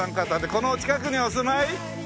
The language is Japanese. この近くにお住まい？ねえ。